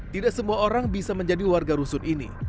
tidak semua orang bisa menjadi warga rusun ini